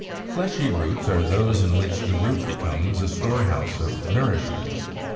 =Fleshy Roots= are those in which the root becomes a storehouse of nourishment.